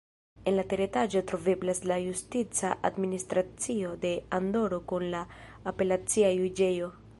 En la teretaĝo troveblas la justica administracio de Andoro kun la apelacia juĝejo.